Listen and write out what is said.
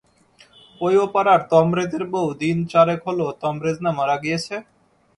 -ওই ও-পাড়ার তমরেজের বৌ-দিন চারেক হোল তমরেজ না মারা গিয়েচে?